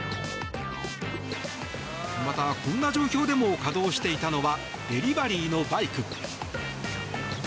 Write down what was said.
また、こんな状況でも稼働していたのはデリバリーのバイク。